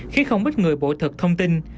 khiến không ít người bổ thật thông tin